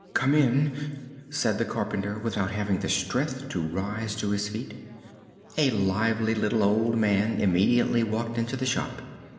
"Come in," said the carpenter, without having the strength to rise to his feet. A lively little old man immediately walked into the shop.